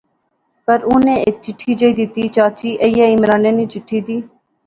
فیر انی ہیک چٹھی جئی دیتی، چاچی ایہہ عمرانے نی چٹھی دی